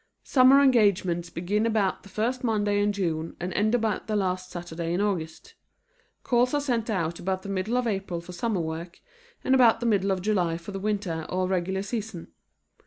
Summer engagements begin about the first Monday in June and end about the last Saturday in August. Calls are sent out about the middle of April for summer work, and about the middle of July for the winter or regular season.